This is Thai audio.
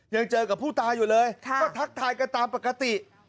ยังเจอกับผู้ตายอยู่เลยก็ทักทายกันตามปกติ